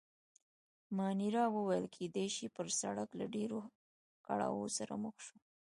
مانیرا وویل: کېدای شي، پر سړک له ډېرو کړاوو سره مخ شو.